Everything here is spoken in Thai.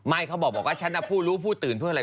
เขาบอกว่าฉันผู้รู้ผู้ตื่นเพื่ออะไร